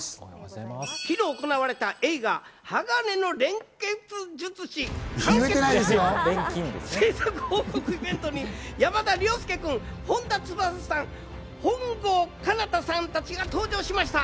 昨日行われた映画『鋼の錬金術師完結編』の制作報告イベントに山田涼介君、本田翼さん、本郷奏多さんたちが登場しました。